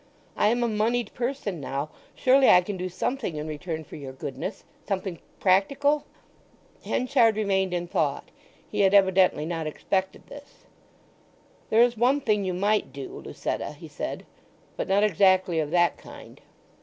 I am a monied person now. Surely I can do something in return for your goodness—something practical?" Henchard remained in thought. He had evidently not expected this. "There is one thing you might do, Lucetta," he said. "But not exactly of that kind."